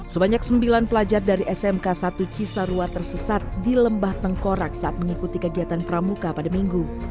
sebanyak sembilan pelajar dari smk satu cisarua tersesat di lembah tengkorak saat mengikuti kegiatan pramuka pada minggu